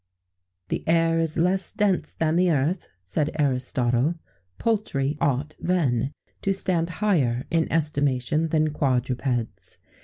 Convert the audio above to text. The air is less dense than the earth, said Aristotle; poultry ought, then, to stand higher in estimation than quadrupeds.